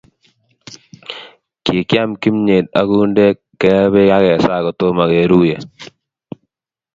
Kikiam kimyet ak kundek, kee pek akesaa kotomo keruye